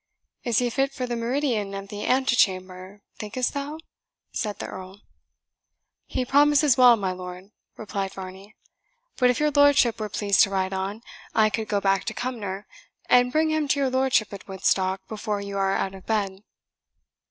"Is he fit for the meridian of the antechamber, think'st thou?" said the Earl. "He promises well, my lord," replied Varney; "but if your lordship were pleased to ride on, I could go back to Cumnor, and bring him to your lordship at Woodstock before you are out of bed."